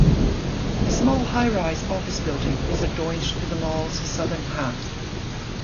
A small highrise office-building is adjoined to the mall's southern half.